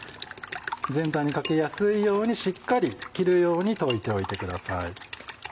全体にかけやすいようにしっかり切るように溶いておいてください。